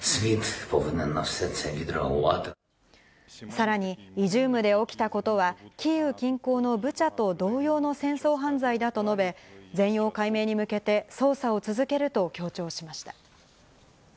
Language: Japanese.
さらに、イジュームで起きたことは、キーウ近郊のブチャと同様の戦争犯罪だと述べ、全容解明に向けて捜査を続けると強調しました。